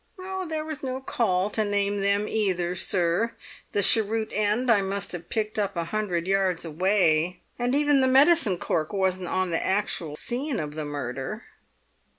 "There was no call to name them either, sir. The cheroot end I must have picked up a hundred yards away, and even the medicine cork wasn't on the actual scene of the murder."